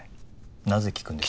なぜ聞くんです？